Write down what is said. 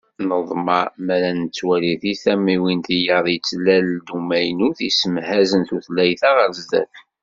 Neḍmeɛ mi ara nettwali seg tamiwin tiyaḍ yettlal-d umaynut yessemhazen tutlayt-a ɣer sdat.